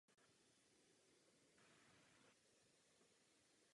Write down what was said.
První ročník byl zaměřen především na experimentální tvorbu.